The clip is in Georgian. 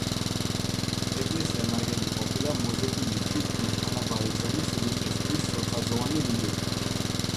ეკლესია ნაგები ყოფილა მოზრდილი, თითქმის თანაბარი ზომის რიყის ქვის სწორხაზოვანი რიგებით.